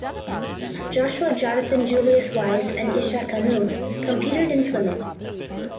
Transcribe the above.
Joshua Jonathan Julius Wyse and Isha Kanu competed in swimming.